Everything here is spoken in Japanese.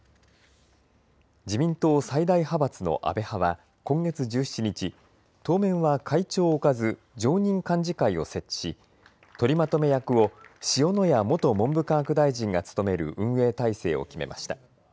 自民党最大派閥の安倍派は今月１７日、当面は会長を置かず常任幹事会を設置し取りまとめ役を塩谷元文部科学大臣が務める運営体制を決めました。